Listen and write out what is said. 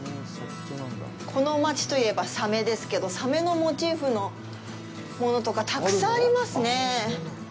この街といえばサメですけどサメのモチーフのものとかたくさんありますね。